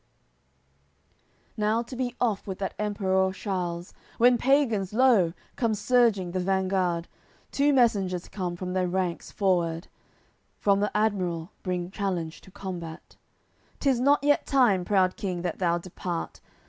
CCXIV Now to be off would that Emperour Charles, When pagans, lo! comes surging the vanguard; Two messengers come from their ranks forward, From the admiral bring challenge to combat: "'Tis not yet time, proud King, that thou de part.